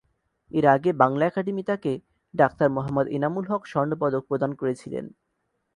এর আগে বাংলা একাডেমী তাকে "ডাক্তার মোহাম্মদ এনামুল হক স্বর্ণ পদক" প্রদান করেছিলেন।